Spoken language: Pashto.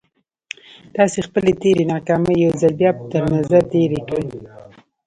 تاسې خپلې تېرې ناکامۍ يو ځل بيا تر نظر تېرې کړئ.